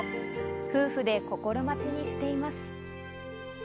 夫婦で心待ちにしています。